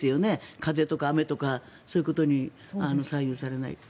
風とか雨とかそういうことに左右されない。